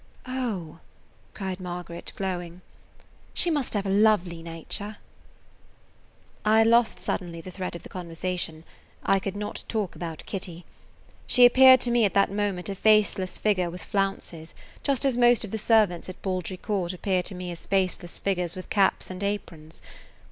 "Oh!" cried Margaret, glowing, "she must have a lovely nature!" I lost suddenly the thread of the conversation. I could not talk about Kitty. She appeared to me at that moment a faceless figure with flounces, just as most of the servants at Baldry Court appear to me as faceless figures with caps and aprons.